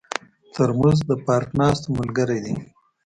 ترموز د پارک ناستو ملګری دی.